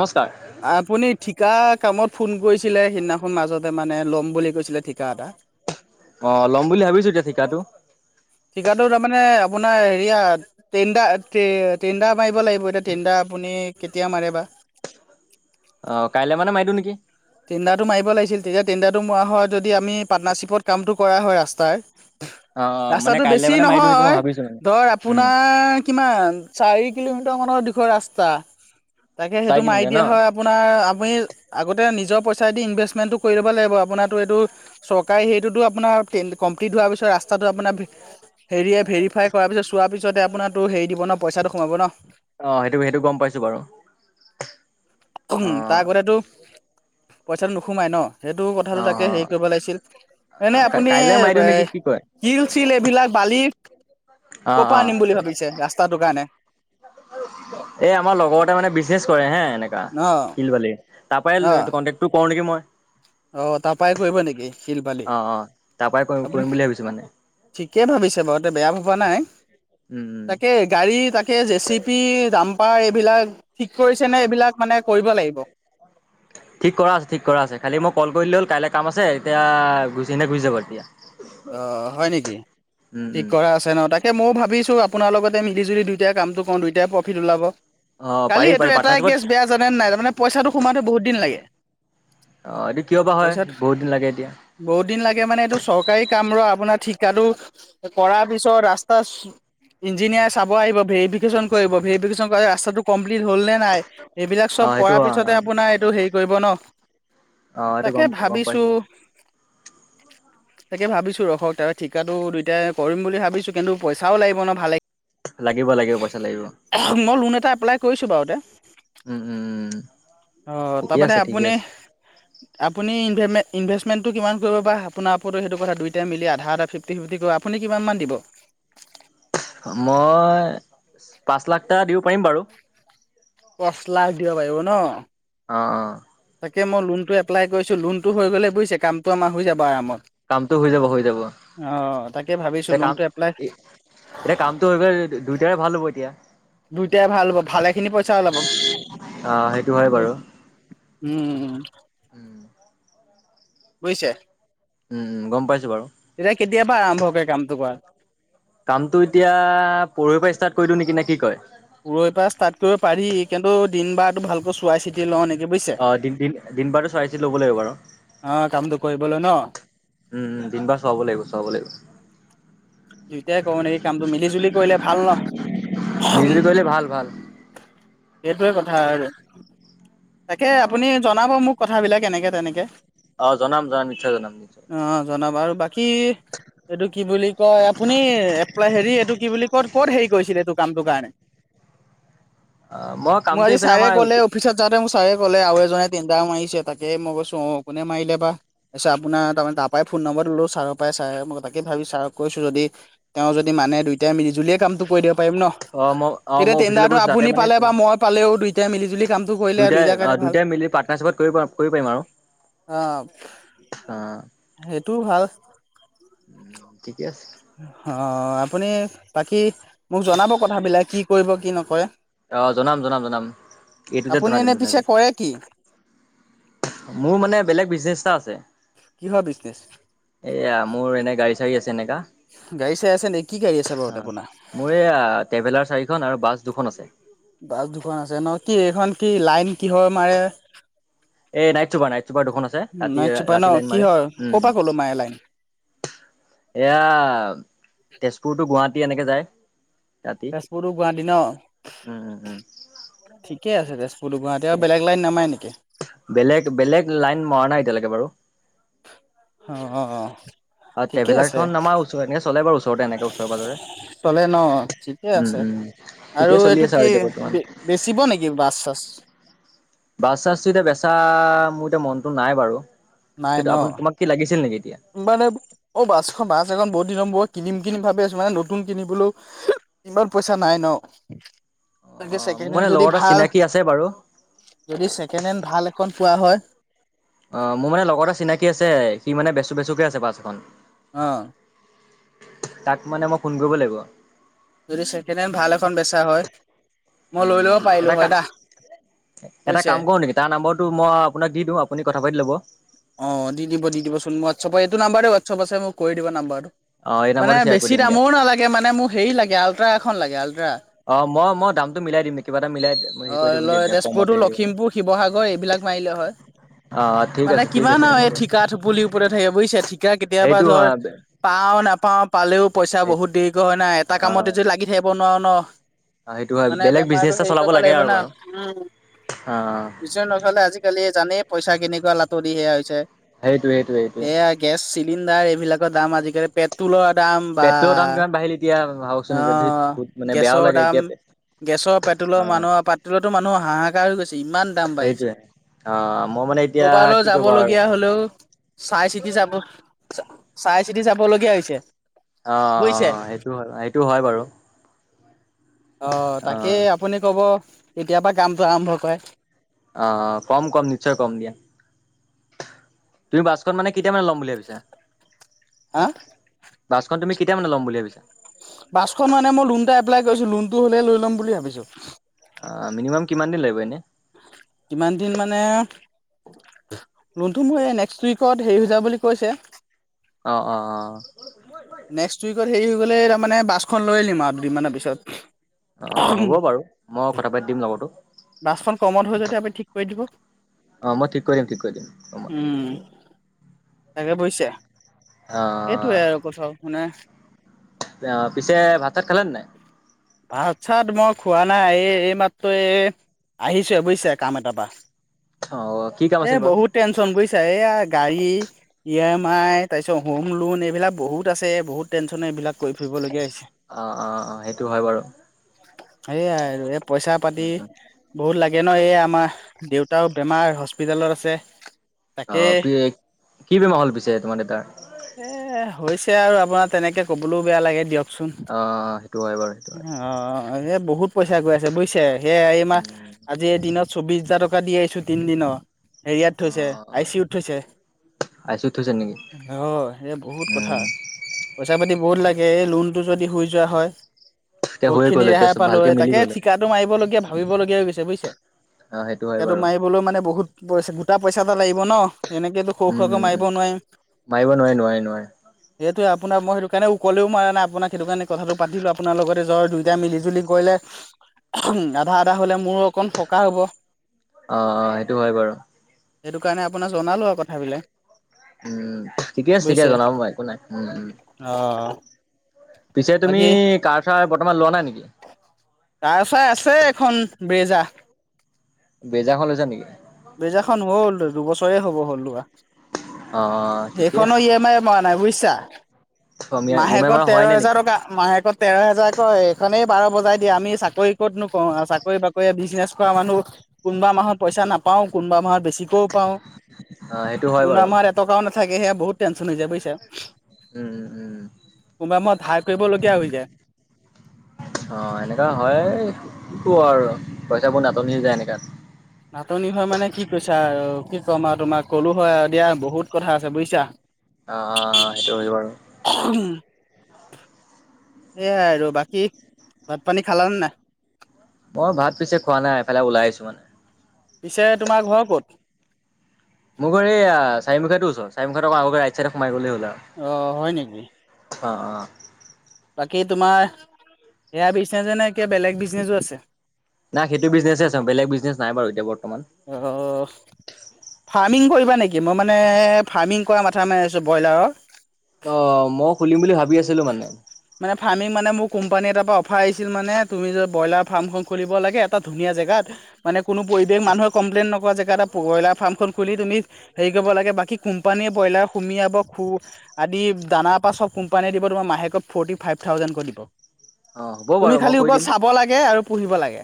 নমস্কাৰ আপুনি ঠিকা কামত। ফোন কৰিছিল সেইদিনাখন মাজতে মানে, ল'ম বুলি কৈছিলে ঠিকা এটা। অ' ল'ম বুলি ভাবিছো ঠিকাটো। ঠিকাৰটো তাৰ মানে, আপোনাৰ হেয় আ' টেনদাৰ টেনদা মাৰিব লাগিব। টেনদাৰ। আপুনি কেতিয়া মাৰে বা। অ' কাইলে মানে মাৰি দিওঁ নেকি? টেন্দাৰটো মাৰিব লাগিছিল, তেহে তেন্দায়। তুম হয় যদি, আমি পাৰ্নাৰশ্বিপত কামটো কৰা হয় ৰাস্তাৰ। অ মানে ৰাস্তাটো কাইলে বেছি মানে মাৰি দিওঁ নেকি মই নহয়, ভাবিছো মানে ধৰ উম আপোনাৰ কিমান চাৰি। কিলোমিটাৰ মানৰ দিশৰ ৰাস্তা। তাকেহে চাৰি সেইটো মাৰি কিলোমিটাৰ ন দিয়া হয়, আপোনাৰ আগবাঢ়িল আগত। তেওঁ, নিজৰ পইচাই দি ইনভেষ্টমেটো কৰি লৱ লাগিব। আপোনাৰটো এইটো চৰকাৰী হেৰিটো আপোনাৰ টেন কমপিলিত। পোৱাৰ পিছত ৰাস্তাটো আপোনাৰ ভি হেৰিয়ে ভেৰিফাই কৰাৰ পিছত চোৱাৰ পিছতে আপোনাৰোটো হেৰি দিব ন', পইচাটো সোমাব ন'। অ' সেইটো সেইটো গম পাইছো বাৰু অ। তাৰ আগতেতো পইচাটো নোসোমাই ন? হেইটো অ কথাটো তাকে হেৰি কৰিব লাগিছিল, এনে আপুনি এ। কাইলে মাৰি দিওঁ নেকি কি কয় শিল চিল এইবিলাক বালি, অ ক'ৰপা অ আ‌নিম বুলি ভাবিছে। ৰাস্তাটো কাৰণে? এই, আমাৰ লগৰ এটাই মানে বিজনেচ কৰে হে, এনেকা অ শিল বালি তাৰ পা কণ্টেকটো কৰো নেকি মই, অ'তাৰ পাই কৰিব নেকি শিল-বালি? অ অ তাৰ পৰাই কৰিম কৰিম আপুনি, বুলি ভাবিছো মানে ঠিকে ভাবিছে বাৰুতে বেয়া ভাৱ হোৱা নাই, উম উম তাকেই গাড়ী তাকেই জেচিপি, জাম তাৰ এইবিলাক, ঠিক কৰিছে নে এইবিলাক। মানে, কৰিব লাগিব? ঠিক কৰা আছে ঠিক কৰা আছে খালি মই কল কৰিলে হ'ল, কাইলৈ কাম আছে এতিয়াই গুচিনে গুচি যাব এতিয অ' হয় নেকি? উম ঠিক উম কৰা আছে নহয়, তাকেই মইও ভাবিছো আপ আপোনাৰ লগতে মিলিজুলি দুয়োটাই কামটো কৰো, দুয়োটা প্ৰফিট উলাব। অ কালি পাৰি এইটো, পাৰি এটাই পাৰ্টনাৰশ্বিপত কেছ বেয়া জানে নাই, তাৰমানে পইচাটো সোমাওঁতে বহুত দিন লাগে। অ এইটো কিয় বা হয় পইচা বহুত দিন লাগে এতিয়া বহুত দিন লাগে মানে এইটো চৰকাৰ সকাম ৰ আপোনাৰ ঠিকাটো কৰাৰ পিছত ৰাস্তা ইঞ্জিনিয়াৰ চাব আহিব, ভেৰিফিকেশ্যন কৰিব ভেৰিফিকেশন ৰাস্তাটো কমপ্লিট হ'ল নে নাই, এইবিলাক অ চব সেইটো কৰাৰ অ পিছতহে আপোনাৰ এইটো হেৰি কৰিব ন? অ সেইটো তাকে গম গম ভাবিছো। পাইছো তাকে ভাবিছো ৰখক তাৰ ঠিকাাতো দুইটাই কৰিম বুলি ভাবিছো কিন্তু পইচাও লাগিব ন ভালে লাগিব লাগিব পইচা লাগিব। মই লোন এটা এপ্লাই কৰিছো বাৰু এতিয়া উম উম উম অ ঠিকে তাৰপান আছে ঠিকে আপুনি আছে আপুনি ইভে ইনভেষ্টমেণ্টটো কিমান কৰিব বা আপোনাৰ আপো সটোথা দুইট মিল আধা আধা ফিফটি ফিফটি কৰিব আুনি কিমান দিব মই পাঁচ লাখ দিব পাৰিম বাৰু পাঁচ লাখ দিব পাৰিব ন অঁ অঁ তাকে মই লোনটো এপ্লাই কৰিছো লোনটো হৈ গ'লে বুজিছে কামটো আমাৰ হৈ যাব আৰামত কামটো হৈ যাব হৈ যাব অঁ তাকে ভাবিছোঁ এ কাম লোনটো এপ্লাই এ কামটো হৈ গলে দুয়ইটাৰে ভাল হ'ব এতিয়া দুইটাই ভাল হব ভালেখিনি পইচা ওলাব অ সেইটো হয় বাৰু উম উম বুজিছে উম গম পাইছো বাৰু তেতিয়া কেতিয়াৰ পৰা আৰম্ভ কৰে কামটো কৰা কামতটো এতিয়া পৰহৰ পৰা ষ্টাৰ্ট কৰি দিওঁ না নেকি কয় পৰখি পৰা ষ্টাৰ্ট কৰিব পাৰি কিন্তু দিন বাৰটো ভালকৈ চোৱাই চিটি লওঁ নেকি বুজিছে। অ দিন দিন দিন বাৰটো চোৱাই চিটি লব লাগিব বাৰু অ কামটো কৰিবলৈ ন উম দিন বাৰ চোৱাব লাগিব চোৱাব লাগিব দুইটাই কৰো নেকি কামটো মিলি জুলি কৰিলে ভাল ন মিলি জুলি কৰিলে ভাল ভাল সেইটোৱে কথা আৰু তাকে আপুনি অ', জনাব মোক কথাবিলাক এনেকে তেনেকে অ জনাম জনাম নিশ্চয় জনাম অ জনাব আৰু বাকী এইটো কি বুলি কয় আপুনি এপ্লাই হেৰি এইটো কি বুলি কয় ক'ত হেৰি কৰিছিলে এইটো কামটোৰ কাৰণে অ', মই কামটো আজি এইফালে ছাৰে আমাৰ ক'লে অফিচত যাওঁতে ম ছাৰে ক'লে আৰু এজনে টেণ্ডাৰ মাৰিছে তাকে মই কৈছো অ', কোনে মাৰিলে বা কৈছে আপোনাৰ তাৰমানে তাৰ পৰাই ফ ফোন নম্বলো ছাৰৰ পৰাই ছাৰে মই তাকে ভাবি ছাৰক কৈছো যদি তেওঁ যদি মানে দুইটাই মিলজুলিয় কামটো দিব পাৰি ন। অ', মই অ', এতিয়া মই অফিচলৈ টেণ্ডাৰটো গৈছো তাতে আপুনি মানে পালে বা মই পালেও দুইটাই মিলি জুলি কামতটো কৰিলে দুইটাৰ কাৰণে ভাল। মি পাৰ্নাৰশিপত কৰি পাৰিম আৰু অ অ', সেইটো ভাল। ঠিকে আছে অ আপুনি বাকী মোক জনাব কথাবিলাক কি কৰিব কি নকৰে। আহ জনাম জনাম জনাম এইটোতে আপুনি জনাই দিম এনে পিছে তেনেকে কৰে কি মোৰ মানে বেলেগ বিজনেচ এটা আছে কি হয় বিচনেছ এয়া মোৰ এনে গাড়ী চাড়ী আছে এনেকা। গাড়ী চাড়ী আছে নেকি কি গাড়ী আছে বাৰু অ আপোনাৰ মোৰ এইয়া ট্ৰেভেলাৰ চাৰিখন আৰু বাছ দুখন আছে। বাছ দুখন আছে ন কি এইখন কি লাইন কিহৰ মাৰে? এই নাইট চুবাৰ নাইট চুবাৰ দুখন আছে ৰাতি নাইট চুপাৰ ন ৰাতি লাইন মাৰে কিহৰ ক'ৰ উম। পৰা ক'লৈ মাৰে লাইন এয়া তেজপুৰতটো গুৱাহাটী এনেকে যায়। ৰাতি তেজপুৰো গুৱাহাটী ন উম উম উম ঠিকে আছে তেজপুৰ সুু গুৱাহাটী আৰু বেলেগ লাইন নামাই নেকি বেলেগ বেলেগ লাইন মৰা নাই এতিয়ালৈকে বাৰু। অ, অ, অ অ ঠিকে ট্ৰেভেলাৰ আছে এখন আমাৰ ওচ এনে চলে বাৰু ওচৰতে এনেকে ওচৰে পাজৰে চলে ন ঠিকে উম আছে উম আৰু ঠিকেই চলি এইটো আছে আৰু কি এতিয়া বৰ্তমান। বে বেচিব নেকি বাছ চাছ। বাছ চাছটো এতিয়া বেচা মোৰ এতিয়া মনতটো নাই বাৰু নাই আপু ন তোমাক কি লাগিছিল নেকি? এতিয়া? মানে অ বাছখন বাছ এখন বহুত দিনৰ পৰা কিনিম কিনি ভাবি আছো মানে নতুন কিনিবলৈ হু ইমান পইচা নাই ন। অ' মোৰ ছেকেণ্ড মানে হেণ্ড যদি লগৰ এটা ভাল চিনাকি আছে বাৰু। যদি ছেকেণ্ড হেণ্ড ভাল এ কমত পোৱা হয় অ মোৰ মানে লগৰ এটা চিনাকি আছে সি মানে বেচো বেচোকে আছে বাছ খন। আহ তাক মানে মই ফোন কৰিব লাগিব যদি ছেকেণ্ড হেণ্ড ভাল এখন বেচা হয়। মই লৈ ল'ব পাৰিলো এটা কা হয় দা এটা বুজিছে কাম কৰো নেকি তাৰ নাম্বৰটো মই আপোনাক দি দিউ আপুনি কথা পাতি ল'ব। অ দি দিব দি দিবচোন হোৱাটছএপ এইটো নাম্বাৰাতে হোৱাটছআপ আছে মোক কৰি দিবা নাম্বাৰটো অ' এই মানে নাম্বাৰটো শ্বেয়াৰ কৰি বেছি দিম দিয়া। দামৰো নালাগে মানে মোক হেৰি লাগে আল্ট্ৰা এখন লাগে আল। অ মই, মই দামতো মিলাই দিম কিবা এটা মিলাই হেৰি অ কৰি দিম ল তেতিয়া কমতে তেজপুৰতটো দিম লখিমপুৰ শিৱসাগৰ এইবিলাক মাৰিলে হয়। অ ঠিক মানে আছে ঠিক আছে কিমান আৰু এই ঠিকা থুপুলিৰ ওপৰতে থাকিব বুজিছে ঠিকা কেতিয়াবা সেইটো ধৰ হয় পাও। পাওঁ নাপাও পালেও পইচা বহুত দেৰিকে হয় নাই এটা কামতে যদি লাগি থাকিব নোৱাৰো ন। অহ, সেইটো হয়। বেলেগ বিজনেছ এটা চল ব লাগিব না উম কিছ নকাললে আজিকালি জানেই পইচা কেনেকুৱা লাতুৰি সেয়া হৈছে। সেইটো, সেইটো সেইটোৱে এয়া গেছ চিলিণ্ডাৰ এইবিলাকৰ দাম আজিকালি পেট্ৰলৰ দাম বা পেট্ৰলৰ দাম কিমান বাঢ়িল এতিয়া ভাবকচোন এতিয়া ধেত আহ বহুত মানে বেয়াও গেছৰ লাগে দাম এতিয়া গেছৰ অ পেট্ৰলৰ মানুহৰ, পেট্ৰলৰটো মানুহৰ হাহাকাৰ হৈ গৈছে ইমান দাম সেইটোৱে বাঢ়িছে। অ মই মানে এতিয়া কবালৈ কি যাব ক'বা আৰু লগীয়া হলেও চাই চিতি যাব, চাই চিতি যাবলগীয়া হৈছে। অ', বুজিছে অ', সেইটো হয় সেইটো হয় বাৰু। অ', তাকেই, আপুনি ক'ব কেতিয়াপা কামটো আৰম্ভ কৰে। আহ কম কম নিশ্চয় কম দিয়া। তুমি বাছখন মানে কেটিয়ামানে ল'ম বুলি ভাবিছা? হা? বাছখন তুমি কেতিয়া মানে ল'ম বুলি ভাবিছা? বাছখন মানে মই লোন এটা এপ্লাই কৰিছো লোনটো হ'লে লৈ ল'ম বুলি ভাবিছো। অ' মিনিমাম কিমান দিন লাগিব এনে? কিমান দিন মানে লনটো মোৰ এই নেক্সট উইকত হেৰি হৈ যাব বুলি কৈছে। অ, অ, অ। নেক্সট উইকত হেৰি হৈ গ'লে তাৰমানে বাছখন লৈ আনিম আৰু দুদিনমানৰ পিছত। অ' অ' হ'ব বাৰু মই কথা পাতি দিম লগৰটো। বাছখন কমত হৈ যদি কৈ দিব। অ', মই ঠিক কৰি দিম ঠিক কৰি দিম অ' ম উম তাকে পৈছো সেইটোৱে আৰু কথাও শুনা সেইয়া আৰু পিছে ভাত চাত খালে নে নাই? ভাতছাত মই খোৱা নাই এই এই মাত্ৰ এই আহিছোৱে বুজিছে কাম এটাৰ পা। অ' কি কাম এ আছিল বাৰু? বহুত টেনচন বুজিছা এইয়া গাড়ী ই এম আই তাৰ পিছত হোম লোন এইবিলাক বহুত আছে বহুত টেনচনে এইবিলাক কৰি ফুবলগীয়া। অ, অ, অ, সেইটো হয় বাৰু। সেইয়াই আৰু এ পইচা - পাতি বহুত লাগ গেন এই আমাৰ দেউতাও বেমাৰ হস্পিতালত আছে। অঁ, তাকে পিয়ে কি বেমাৰ হ'ল পিছে তোমাৰ এ দেউতাৰ? হৈছে আৰু আপোনাৰ তেনেকে ক'বলৈও বেয়া লাগে দিয়ক। চোন অ' সেইটো হয় বাৰু সেইটো হয়। অঁ অৰে বহুত পইচা গৈ আছে বুজিছে, সেয়া ই এ মাহ উম, আজি এদিনত চৌবিশ হাজাৰ টকা দি আহিছো, তিনি দিনৰ হেৰিয়াত থৈছে আই অ' চি ইউত থৈছে। আই চি ইউত থৈছে নেকি? অঁ, সে বহুত কথা, উম, পইচা পাতি বহুত লাগে এ লোন তো যদি হৈ যোৱা হয়, এতিয়া বহুত হৈয়ে খিনি গ'ল এতিয়া ৰেহাই চব পালো ভালকে হয় মিলি তাকে গ'ল। ঠিকাটো মাৰিব লগীয়া ভা ভাবিব লগীয়া হৈ গৈছে বুজিছে, অ' সেইটো হয় এটো বাৰু। মাৰিবলৈও মানে বহুত পইচা, গোটা পইচা এটা লাগিব ন'? এনেকেটো সৰু উম, সুৰাকে উম, উম, মাৰিব নোৱাৰিম। মাৰিব নোৱাৰে নোৱাৰে নোৱাৰে। সেইটোৱে আপোনাক মই সেইটো কাৰণে ওকলেও মাৰা নাই আপোনাক সেইটো কাৰণে কথাটো পাতিলো আপোনাৰ লগতে জ্বৰ দুইটা মিল জুলি কৰিলে আধা, আধা হ'লে মোৰো অকণ সকাহ হ'ব অ', এইটো হয়, বাৰু সেইটো কাৰণে আপোনাক জনালোঁ আৰু কথাবিলাক। উম, ঠিকে আছে বুজিছে [unintelligible] একো নাই উম, উম। পিছে তুমি কাৰ, চাৰ বৰ্তমান লোৱা নাই নি কাৰ, চাৰ আছে এখন ব্ৰেজা ব্ৰেজাখন লৈছা নেকি? ব্ৰেজাখন হ'ল দুবছৰে হ'ব হ'ল লোৱা। অ', ঠিকে আছে সেইখনৰ ই এম আই মাৰা নাই বুইছা। ই এম আই মাহেকত মাৰা তেৰ হোৱাই নাই হেজাৰ নেকি? টকা, মাহেকত তেৰ হেজাৰ কৈ এইখনেই বাৰ বজাই দিয়ে আমি চাকৰি ক'তনো কৰোঁ, আৰু চাকৰি, বাকৰি, বিজনেছ কৰা মানুহ কোনোবা মাহত পইচা নাপ পাওঁ, কোনোবা মাহত বেছিকৈও পাওঁ, অ', সেইটো হয় কোনোবা বাৰু মাহত এটকাও নাথাকেহে বহুত টেনচন হৈ যায় বুইছা। উম, উম, উম। কোনোবা মাহত ধাৰ কৰিবলগীয়া হৈ যায়। অ', এনেকা হয়ে কি কৰ আৰু পইচাবোৰ নাটনি যায় এনেকাত নাটনি হয়, মানে কি কৈছা আৰু কি ক'ম আৰু, তোমাৰ ক'লো হয়, আৰু দিয়া বহুত কথা আছে বুইছা। অ', সেইটো হয় বাৰু। উম। এইয়াই আৰু বাকী ভাত, পানী খালানে নাই? মই ভাত পিছে খোৱা নাই এফালে ওলাই আহিছোঁ মানে। পিছে তোমাৰ ঘৰ ক'ত? মোৰ ঘৰ এইয়া [unintelligible] আগত গৈ ৰাইট চাইডে সোমাই গ'লে হ'ল। আৰু অ', হয়, নিকি? অ', অ'। বাকী তোমাৰ এয়া বিজনেছে নে, কিবা বেলেগ বিজনেচো আছে? নাই সেইটো বিজনেছে আছে, বেলেগ বিজনেছ নাই বাৰু এতিয়া বৰ্ত অ', [unintelligible] ৰ্মিং কৰিবা নেকি? মই মানে ফাৰ্মিং কৰা মাথা মাৰি আছোঁ ব্ৰইলাৰৰ অ', মই খুলিম বুলি ভাব মানে ফাৰ্মিং মানে মোক কোম্পানীৰ এটাৰপৰা অফাৰ আহিছিল মানে তুমি যে, ব্ৰইলাৰ ফাৰ্মখন খুলিব লাগে এটা ধুনীয়া জেগাত মানে কোনো পৰিৱেশ মানুহ কমপ্লেইন নক পোৱা জেগা এটাত ব্ৰ'ইলাৰ ফাৰ্মখন খুলি তুমি হেৰি কৰিব লাগে, বাকী কোম্পানীয়ে ব্ৰ'ইলাৰ সুমিয়াব খু আদি দানাৰ পা চব কোম্পানীয়ে দিব তোমাৰ মাহেকত ফ'ৰ্টি ফাইভ থাউজেণ্ড কৈ দিব। অ হ'ব তুমি বাৰু মই খালি কৰি অকল দিম চাব লাগে আৰু পুহিব লাগে।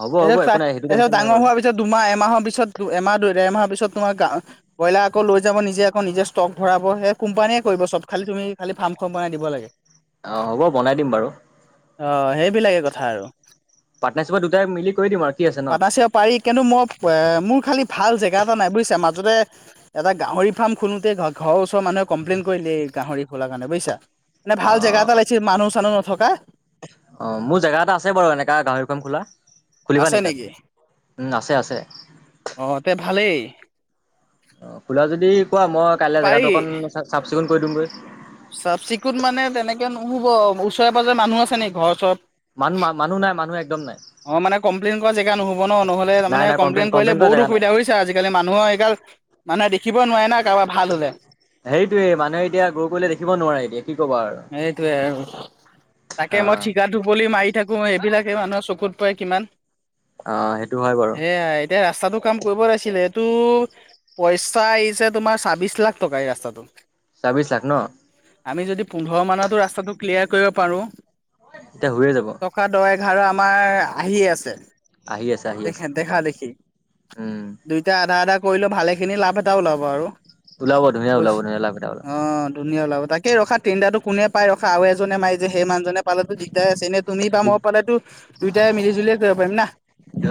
হ'ব হ'ব একো নাই সেইটো তা তাৰপিছত টেনচন নাই ডাঙৰ বাৰু হোৱাৰ পিছত দুমাহ এমাহৰ পিছত, দু-এমাহ ডেৰমাহৰ পিছত তোমাৰ কাম, ব্ৰ'ইলাৰ আকৌ লৈ যাব নিজে আকৌ নিজে ষ্ট'ক ভৰাব সেই কোম্পানীয়ে কৰিব চব খালি তুমি খালি ফাৰ্ম সোমবাৰে দিব লাগে। অ', হ'ব বনাই দিম বাৰু। অ', সেইবিলাকে কথা আৰু। পাৰ্টনাৰশ্বিপত দুটাই মিলি কৰি দিম আৰু কি আছে ন পাটাশেও পাৰি কিন্তু মই অ', মোৰ খালি ভাল জেগা এটা নাই বুজিছে, মাজতে এটা গাহৰি ফাৰ্ম খোলোতে ঘ-ঘৰৰ ওচৰ মানুহে কমপ্লেইন কৰি লে গাহৰি খোলা কাৰণে বুইছা, মানে অ ভাল জেগা এটা লাগিছিল মানুহ চানুহ নথকা। অ', মোৰ জেগা এটা আছে বাৰু এনেকা গাহৰি ফাৰ্ম খোলা, খুলিবা নেকি তাত? উম, আছে আছে অ' তে [inaudible] অ', খোলা যদি কোৱা মই কাইলৈ জেগাটো অকণ চাফ চিকুণ কৰি দিমগৈ চাফ-চিকুণ মানে তেনেকে নুহ'ব, ওচৰে-পাজৰে মানুহ আছে নেকি ঘৰ ওচৰত? মান-মানুহ নাই মানুহ একদম নাই। অ', মানে কমপ্লেইন কৰা জেগা নহ'ব নহ'লে তাৰ নাই মানে নাই কমপ্লেইন কৰিলে কৰা বহুত জেগা নাই অসুবিধা বুইছা আজিকালি মানুহৰ এইগাল মানুহে দেখিব নোৱাৰে না। কাৰোবাৰ ভাল হ'লে সেইটোৱে মানে এতিয়া গৰু কৰিলে দেখিব নোৱাৰে এতিয়া কি ক'ব আ সেইটোৱে আৰু তাকে মই ঠিকা অ টুপলি মাৰি থাকোঁ এইবিলাক সেই মানুহৰ চকুত পৰে কিমান অ সেইটো হয় বাৰু এয়া এতিয়া ৰাস্তাতটো কাম কৰিব লাগিছিলে টো পইচা আহিছে তোমাৰ চাব্বিশ লাখ টকা এই ৰাস্তাটোত। ছাব্বিছ লাখ ন। আমি যদি পোন্ধৰ মানটো ৰাস্তাটো ক্লিয়াৰ কৰিব পাৰোঁ। তে হৈয়ে যাব। ঘাৰু আমাৰ আহিয়ে আছে। আহি আছে আহি আছে দেখে-দেখা দেখি উম দুইটা আধা আধা কৰিলেও ভালে খিনি লাভ এটা ওলাব আৰু, ওলাব ধুনীয়া ওলাব [unintelligible] ধুনীয়া লাভ এটা ওলাব। অ', ধুনীয়া ওলাব তাকে ৰখা টেণ্ডাৰটো কোনে পাই ৰখা আৰু এজনে মাই যে, সেই মানুজনে পালেতো দিগদাৰে আছে এনে তুমি বা মই পালেতো দুয়টাই মিলি, জুলিয়ে কৰিব পাৰিম না।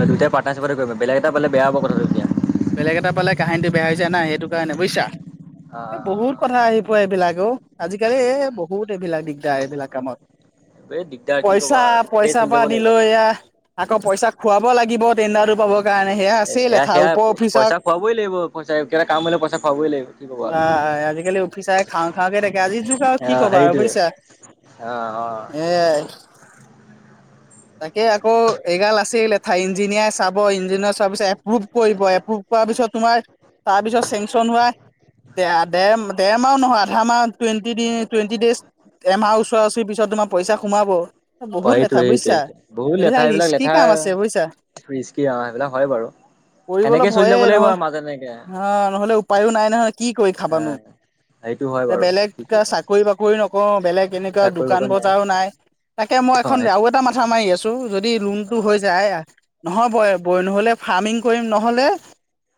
দুইটাই পাৰ্টনাৰশ্বিপতে কৰিব বেলেগে এটা পালে বেয়া হ'ব কথাটো এতিয়া। বেলেগ এটা পালে কাহিনীটো বেয়া হৈ যায় না, সেইটো কাৰণে বুইছা। এই বহুত আহ কথা আহি ঠিকে। পৰে এইবিলাক অ', আজিকালি এই বহুত এইবিলাক দিগদাৰ এইবিলাক কামত। এই দিগদাৰ কি ক'বা পইচা, আৰু সেনেকেই পইচা চলি পৰা যাব লাগিব আদিলৈ আৰু। এয়া আকৌ পইচা খোৱাব লাগিব টেণ্ডাৰটো পাবৰ কাৰণে সেয়া আছেই লেঠা আৰু পইচা খোৱাবই লাগিব পইচা [unintelligible] কাম হ'লে পইচা খুৱাবই লাগিব। কি ক'বা বা, আৰু। আজিকালি অফিচাৰে খাওঁ, খাওঁকে থাকে আজি যুগ আৰু কি অ' ক'বা আৰু সেইটোৱে বুইছা। অ' অ' এয়াই তাকে আকৌ এইগাল আছেই লেঠাই ইঞ্জিনিয়াৰ, চাব ইঞ্জিনিয়াৰ চোৱাৰ পিছত এপুভ কৰিব, এপ্ৰুভ কৰাৰ পিছত তোমাৰ তাৰপিছত চেংচন হোৱা দে-দেৰ-দেৰ মাহো নহয় আধা মাহ টুৱেণ্টি দিন-টুৱে [unintelligible] এমাহ ওচৰা ওচৰি পিছত তোমাৰ পইচা সোমাব। বহুত লেঠা সেইটোৱে সেইটোৱে বুইছা। সেইটোৱে বহুত লেঠা এইবিলাক লেঠা, ৰিচকি অহ, সেইবিলাক হয়, বাৰু। কৰিবলৈ সেনেকে চলি ভয়ে যাব লাগিব আৰু নহয়, মাজত এনেকে আহ, নহ'লে উপায়ো নাই নহয়, কি কৰি খাবানো? অ'। সেইটো হয় এ, বাৰু কি বেলেগকে কৰিবা চাকৰি বাক কৰি নকওঁ বেলেগ এনেকুৱা চাকৰি দোকান বাকৰি বজাৰো নাই, তাকে মই এখন নাই আৰু এটা মাথা মাৰি আছোঁ। যদি লোনটো হৈ অ' অ যায় নহয়, বয়ে বৈ নহ'লে ফাৰ্মিং কৰিম, নহ'লে